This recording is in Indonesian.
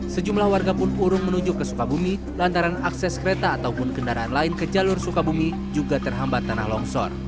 sejumlah warga pun urung menuju ke sukabumi lantaran akses kereta ataupun kendaraan lain ke jalur sukabumi juga terhambat tanah longsor